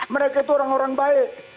mereka itu orang orang baik